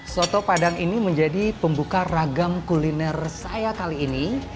soto padang ini menjadi pembuka ragam kuliner saya kali ini